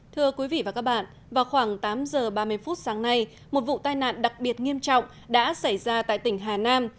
thưa quý vị và các bạn vào khoảng tám giờ ba mươi phút sáng nay một vụ tai nạn đặc biệt nghiêm trọng đã xảy ra tại tỉnh hà nam